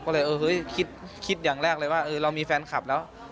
ก็เลยเออเฮ้ยคิดอย่างแรกเลยว่าเรามีแฟนคลับแล้ว